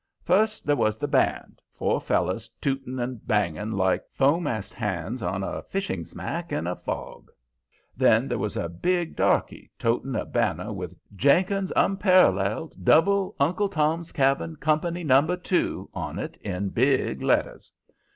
First there was the band, four fellers tooting and banging like fo'mast hands on a fishing smack in a fog. Then there was a big darky toting a banner with "Jenkins' Unparalleled Double Uncle Tom's Cabin Company, No. 2," on it in big letters.